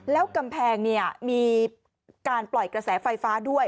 แล้วกำแพงมีการปล่อยกระแสไฟฟ้าด้วย